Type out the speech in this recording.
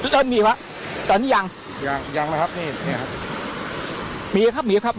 เริ่มมีวะตอนนี้ยังยังยังแล้วครับนี่นี่ครับมีครับมีครับ